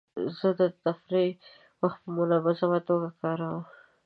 زه د تفریح وخت په منظمه توګه کاروم.